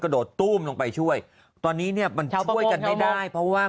โดดตู้มลงไปช่วยตอนนี้เนี่ยมันช่วยกันไม่ได้เพราะว่า